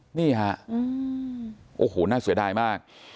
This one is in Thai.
โหโหน่าเสียดายมาก